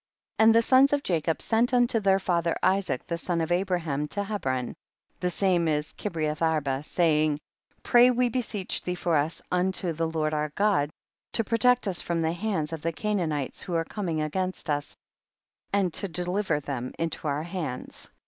63. And the sons of Jacob sent unto their father Isaac the son of Abraham to Hebron, the saine is Kireath arba, saying, 64. Pray we beseech thee for us unto the Lord our God, to pro tect us from the hands of the Ca naanites who are coming against us, and to deliver them into our hands.